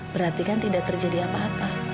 berarti kan tidak terjadi apa apa